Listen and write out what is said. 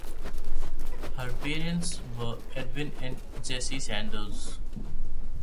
Her parents were Edwin and Jessie Sanders.